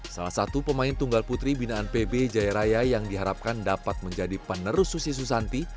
salah satu pemain tunggal putri binaan pb jaya raya yang diharapkan dapat menjadi penerus susi susanti